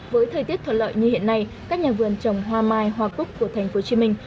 với thời tiết thuận lợi như hiện nay các nhà vườn trồng hoa mai hoa cúc của thành phố hồ chí minh